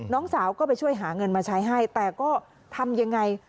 น้องสาวก็ไปช่วยหาเงินมาใช้ให้แต่ก็ทำยังไง